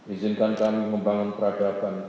izinkan kami membangun peradaban